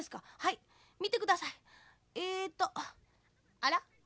「あら？